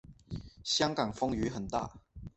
香港风雨很大